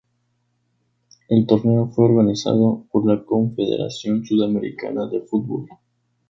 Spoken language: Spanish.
El torneo fue organizado por la Confederación Sudamericana de Fútbol.